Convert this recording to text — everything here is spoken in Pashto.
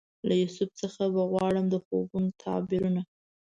له یوسف څخه به غواړم د خوبونو تعبیرونه